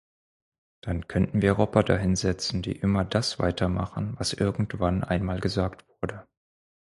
Dann könnten wir Roboter hinsetzen, die immer das weitermachen, was irgendwann einmal gesagt wurde.